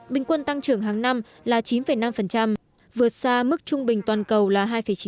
bình quân tăng trưởng hàng năm là chín năm vượt xa mức trung bình toàn cầu là hai chín